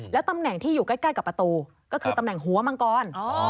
แล้วตำแหน่งที่อยู่ใกล้กับประตูก็คือตำแหน่งหัวมังกร